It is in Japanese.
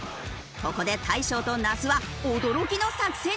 ここで大昇と那須は驚きの作戦に！